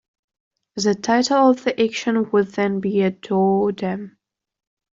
The title of the action would then be Doe dem.